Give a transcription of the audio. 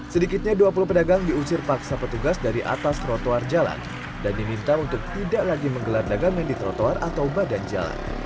sedikitnya dua puluh pedagang diusir paksa petugas dari atas trotoar jalan dan diminta untuk tidak lagi menggelar dagangan di trotoar atau badan jalan